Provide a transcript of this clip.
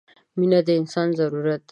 • مینه د انسان ضرورت دی.